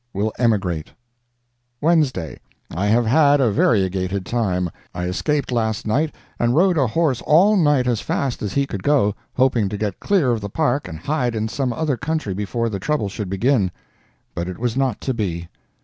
Will emigrate. WEDNESDAY. I have had a variegated time. I escaped last night, and rode a horse all night as fast as he could go, hoping to get clear of the Park and hide in some other country before the trouble should begin; but it was not to be.